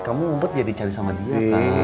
kamu ngumpet biar dicari sama dia kan